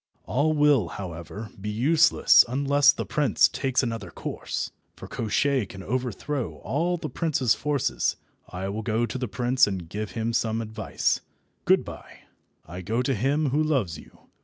All will, however, be useless unless the prince takes another course, for Koshchei can overthrow all the prince's forces. I will go to the prince and give him some advice. Good bye. I go to him who loves you.